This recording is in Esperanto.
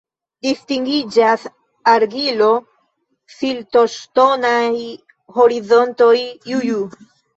Distingiĝas argilo-siltoŝtonaj horizontoj Ju-Ju.